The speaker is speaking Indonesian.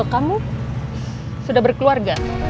kamu sudah berkeluarga